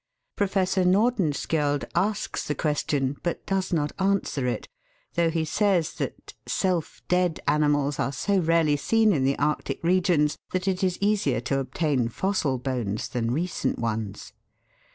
Professor Nordenskjold asks the question, but does not answer it, though he says that " self dead " animals are so rarely seen in the Arctic regions, that it is easier to obtain fossil bones than recent ones.